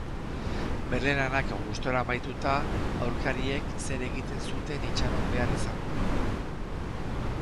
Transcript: Bere lanak gustora amaituta, aurkariek zer egiten zuten itxaron behar izan du.